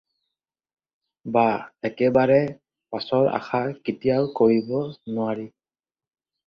বা একেবাৰে পাচৰ আশা কেতিয়াও কৰিব নােৱাৰি